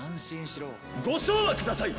ご唱和ください